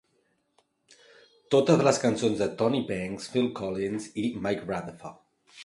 Totes les cançons de Tony Banks, Phil Collins, i Mike Rutherford.